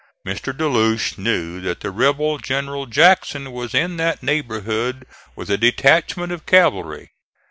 Mr. De Loche knew that the rebel General Jackson was in that neighborhood with a detachment of cavalry.